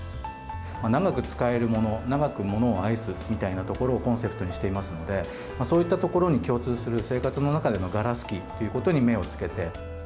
長く使えるもの、長くものを愛す、みたいなところをコンセプトにしていますので、そういったところに共通する、生活の中でのガラス器ということに目をつけて。